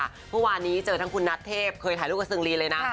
เมื่อวานนี้เจอทั้งคุณนัทเทพเคยถ่ายรูปกับซึงรีเลยนะ